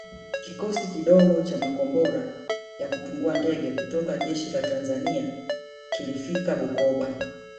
Kikosi kidogo cha makombora ya kutungua ndege kutoka jeshi la Tanzania kilifika Bukoba